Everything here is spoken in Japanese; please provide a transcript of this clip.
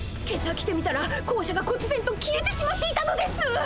今朝来てみたら校しゃがこつぜんと消えてしまっていたのです。